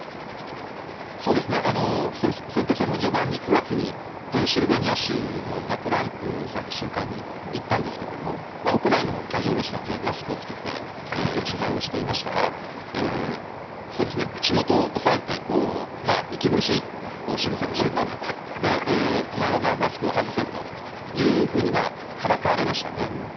そうですね、選挙戦の序盤に、９月に、ペンシルベニア州のトランプさんの集会に行ったんですけれども、屋内の会場でしたので、マスクを着けて、取材をしていましたら、そうですね、口元を押さえて、息苦しいしぐさをして、お前はマスクを外せというふうにからかわれましたね。